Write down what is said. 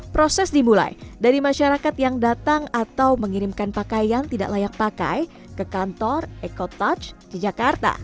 proses dimulai dari masyarakat yang datang atau mengirimkan pakaian tidak layak pakai ke kantor eco touch ke jakarta